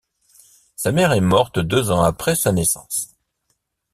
Sa mère est morte deux ans après sa naissance.